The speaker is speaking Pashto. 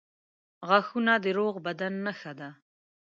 • غاښونه د روغ بدن نښه ده.